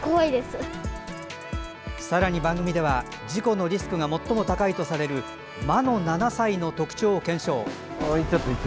さらに番組では事故のリスクが最も高いとされる魔の７歳の特徴を検証。